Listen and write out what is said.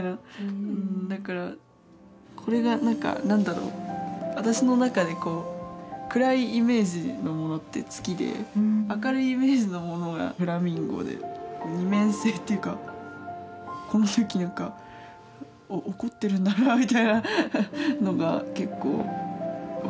だからこれが何か何だろう私の中でこう暗いイメージのものって「月」で明るいイメージのものが「フラミンゴ」で二面性っていうかこの時何か怒ってるんだなあみたいなのが結構分かって。